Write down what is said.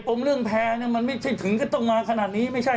เรื่องแพร่มันไม่ใช่ถึงก็ต้องมาขนาดนี้ไม่ใช่